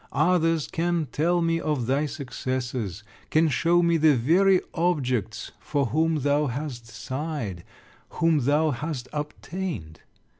Others can tell me of thy successes, can show me the very objects for whom thou hast sighed, whom thou hast obtained.